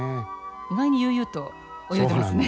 意外に悠々と泳いでますね。